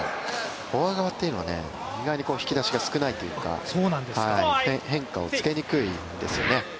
フォア側っていうのは意外に引き出しが少ないというか変化をつけにくいですよね。